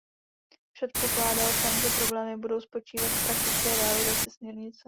Předpokládal jsem, že problémy budou spočívat v praktické realizaci směrnice.